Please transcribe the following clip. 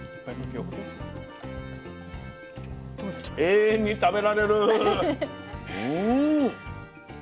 永遠に食べられる。